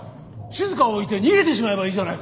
しずかを置いて逃げてしまえばいいじゃないか。